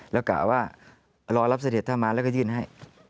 แล้วกะว่ารอรับเสด็จถ้ามาแล้วก็ยื่นให้